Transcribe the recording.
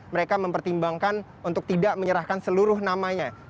mereka mempertimbangkan untuk tidak menyerahkan seluruh namanya